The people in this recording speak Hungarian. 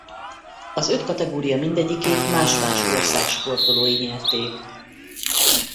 Az öt kategória mindegyikét más-más ország sportolói nyerték.